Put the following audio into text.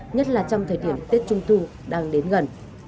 nhất là trong thời điểm tết trung thu đang đến gần